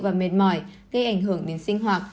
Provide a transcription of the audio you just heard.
và mệt mỏi gây ảnh hưởng đến sinh hoạt